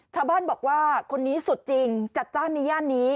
ชาวบ้านบอกว่าคนนี้สุดจริงจัดจ้านในย่านนี้